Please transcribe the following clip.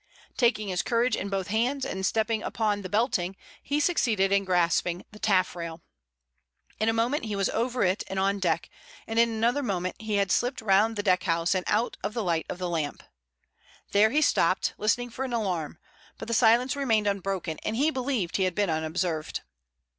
Taking his courage in both hands and stepping upon the belting, he succeeded in grasping the taffrail. In a moment he was over it and on deck, and in another moment he had slipped round the deckhouse and out of the light of the lamp. There he stopped, listening for an alarm, but the silence remained unbroken, and he believed he had been unobserved.